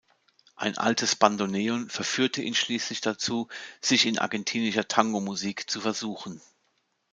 Ein altes Bandoneon verführte ihn schließlich dazu, sich in argentinischer Tango-Musik zu versuchen.